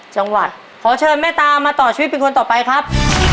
จังหวัดขอเชิญแม่ตามาต่อชีวิตเป็นคนต่อไปครับ